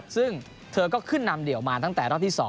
ซึ่งเธอก็ขึ้นนำเดี่ยวมาตั้งแต่รอบที่๒